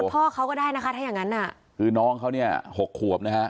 พ่อเขาก็ได้นะคะถ้าอย่างงั้นน่ะคือน้องเขาเนี่ยหกขวบนะฮะ